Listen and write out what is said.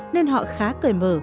nên họ khá cởi mở